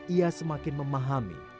ia semakin memahami